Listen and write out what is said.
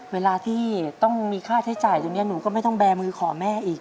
เวลาที่ต้องมีค่าใช้จ่ายตรงนี้หนูก็ไม่ต้องแบร์มือขอแม่อีก